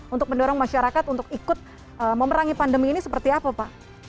untuk mendorong masyarakat untuk ikut memerangi pandemi ini seperti apa pak